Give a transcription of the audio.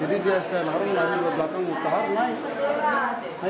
jadi dia setelah larang lari ke belakang mutar naik